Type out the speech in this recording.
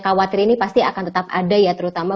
khawatir ini pasti akan tetap ada ya terutama